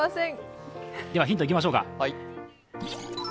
ではヒントいきましょうか。